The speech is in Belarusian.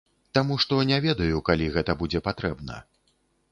Таму што не ведаю, калі гэта будзе патрэбна.